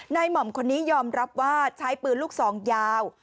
หม่อมคนนี้ยอมรับว่าใช้ปืนลูกซองยาว